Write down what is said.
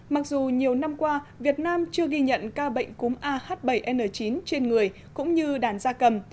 mặc dù nhiều năm qua việt nam chưa ghi nhận ca bệnh cúm ah bảy n chín trên người cũng như đàn da cầm